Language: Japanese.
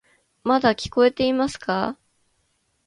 まだ聞こえていますか？